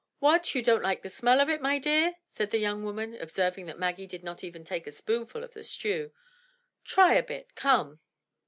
"What! you don't like the smell of it, my dear?" said the young woman, observing that Maggie did not even take a spoon ful of the stew. Try a bit, come?"